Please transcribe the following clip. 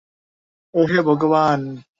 ওহ, হে ভগবান।